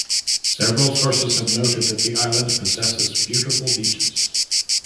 Several sources have noted that the island possesses beautiful beaches.